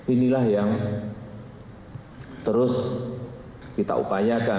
inilah yang terus kita upayakan